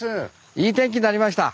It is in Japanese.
いい天気になりました。